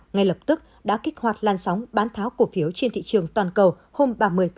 ngay lập tức đã kích hoạt lan sóng bán tháo cổ phiếu trên thị trường toàn cầu hôm ba mươi tám một mươi một